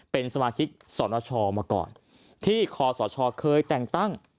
เป็นสมาชิกสนชมาก่อนที่คอสชเคยแต่งตั้ง